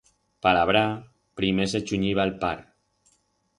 Pa labrar, primer se chunyiba el par.